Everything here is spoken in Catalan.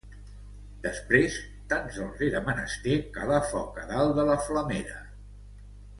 Després, tan sols era menester calar foc a dalt de la flamera